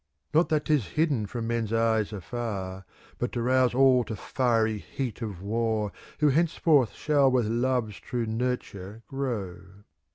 Not that 'tis hidden from men's eyes afar, '° But to rouse all to fiery heat of war. Who henceforth shall with Love's true nur ture grow.